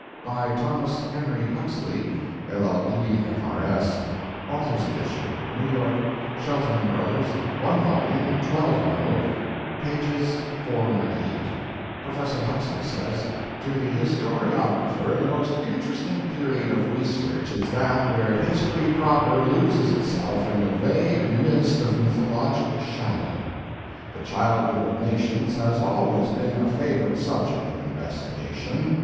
By Thomas Henry Huxley, L.L.D., F.R.S. Author's edition. New York: Shelton & Brothers. 1 vol. 12mo., pp. 498] Professor Huxley says: To the historiographer the most interesting period of research is that where history proper loses itself in the vague mist of mythologic shadow. The childhood of nations has always been a favorite subject of investigation.